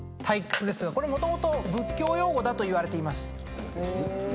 「退屈」ですがこれもともと仏教用語だといわれています。